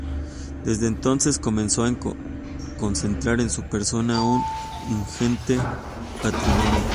Desde entonces comenzó a concentrar en su persona un ingente patrimonio.